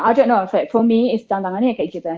i don t know for me tantangannya kayak gitu